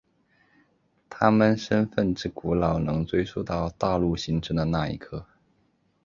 他们身份之古老能追溯到大陆形成的那一刻。